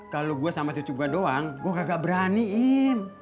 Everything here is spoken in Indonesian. kalau gue sama cucu gue doang gue kagak beraniin